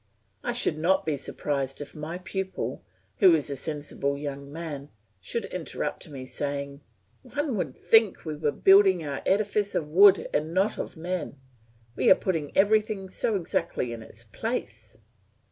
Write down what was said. I should not be surprised if my pupil, who is a sensible young man, should interrupt me saying, "One would think we were building our edifice of wood and not of men; we are putting everything so exactly in its place!"